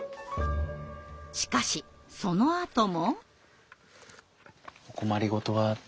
しかしそのあとも。